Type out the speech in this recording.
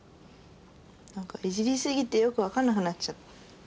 何かいじりすぎてよく分かんなくなっちゃった。